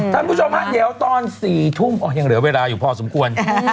ท่านผู้ชมฮะเดี๋ยวตอน๔ทุ่มยังเหลือเวลาอยู่พอสมควร